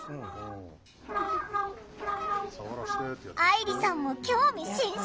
あいりさんも興味津々！